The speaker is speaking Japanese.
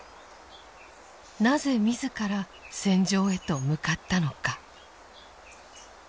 なぜ自ら戦場へと向かったのか。